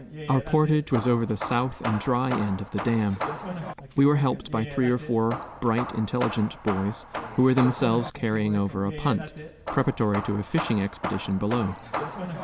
Our portage was over the south and dry end of the dam. We were helped by three or four bright, intelligent boys, who were themselves carrying over a punt, preparatory to a fishing expedition below.